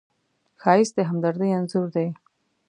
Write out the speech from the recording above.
ښایست د همدردۍ انځور دی